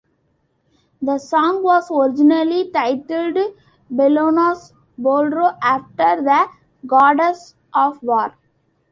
The song was originally titled Bellona's Bolero after the goddess of war.